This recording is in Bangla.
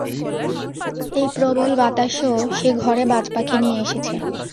এই প্রবল বাতাসেও, সে ঘরে বাজপাখি নিয়ে এসেছে।